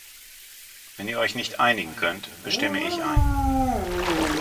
Wenn ihr euch nicht einigen könnt, bestimme ich einen.